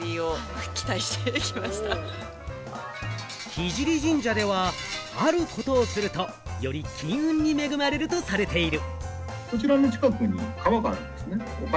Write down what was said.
聖神社ではあることをすると、より金運に恵まれるとされている。